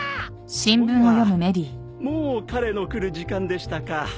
おやもう彼の来る時間でしたか。